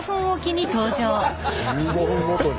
１５分ごとに。